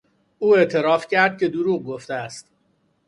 او اعتراف کرد که دروغ گفته است.